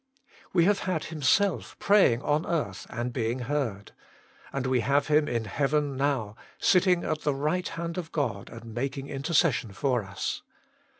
We have had Himself praying on earth, and being heard. And we have Him in heaven now, sitting at the right hand of God and making intercession for us.